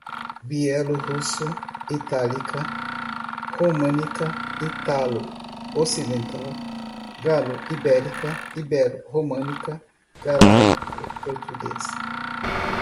bielorrusso, itálica, românica, ítalo-ocidental, galo-ibérica, ibero-românica, galaico-portuguesa